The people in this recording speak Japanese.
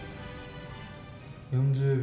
４０秒。